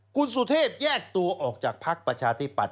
คุณสุเทพแยกตัวออกจากภักดิ์ประชาธิปัตย